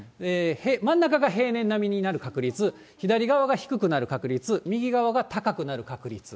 真ん中が平年並みになる確率、左側が低くなる確率、右側が高くなる確率。